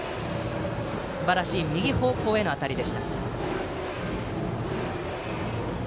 すばらしい右方向への当たりでした。